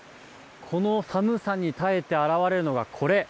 この寒さに耐えて現れるのが、これ。